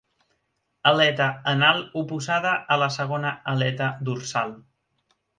Aleta anal oposada a la segona aleta dorsal.